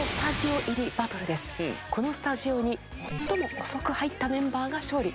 このスタジオに最も遅く入ったメンバーが勝利。